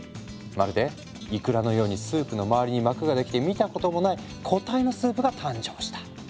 まるでいくらのようにスープの周りに膜ができて見たこともない固体のスープが誕生した。